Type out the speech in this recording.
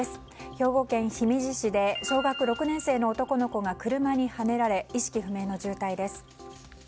兵庫県姫路市で小学６年生の男の子が車にはねられ意識不明の重体です。